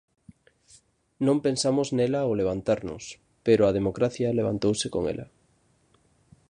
Non pensamos nela ao levantarnos, pero a democracia levantouse con ela.